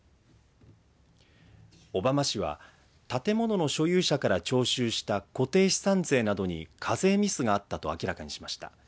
小浜市は、建物の所有者から徴収した固定資産税などに課税ミスがあったと明らかにしました。